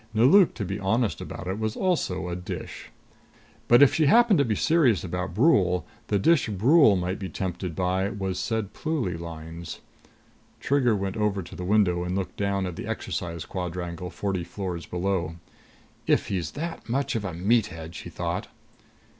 Nelauk, to be honest about it, was also a dish. But if she happened to be serious about Brule, the dish Brule might be tempted by was said Pluly Lines. Trigger went over to the window and looked down at the exercise quadrangle forty floors below. "If he's that much of a meathead!" she thought.